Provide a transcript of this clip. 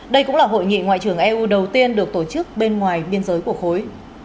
đây cũng là hội nghị ngoại trưởng eu đầu tiên được tổ chức bên ngoài biên giới của khối